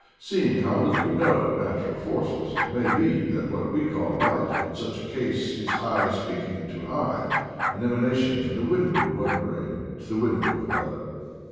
Seeing how little we know of natural forces, it may be that what we call light in such a case is eye speaking to eye— an emanation from the window of one brain into the window of another.'